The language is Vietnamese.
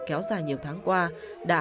kéo dài nhiều tháng qua